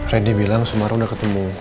ren nih bilang sumara udah ketemu